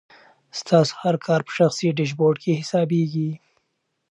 ستاسو هر کار په شخصي ډیشبورډ کې حسابېږي.